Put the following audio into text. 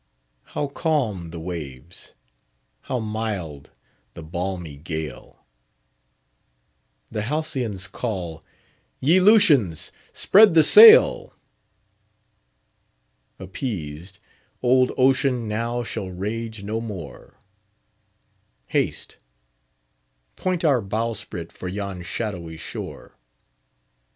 "How calm the waves, how mild the balmy gale! The Halcyons call, ye Lusians spread the sail! Appeased, old Ocean now shall rage no more; Haste, point our bowsprit for yon shadowy shore.